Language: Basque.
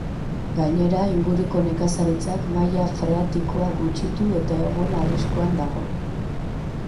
Gainera, inguruko nekazaritzak maila freatikoa gutxitu eta egun arriskuan dago.